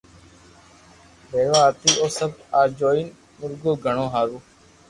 پيروا ھتي او سب آ جوئين مورگو گھڻو ھآرون